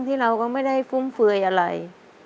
ขอเพียงคุณสามารถที่จะเอ่ยเอื้อนนะครับ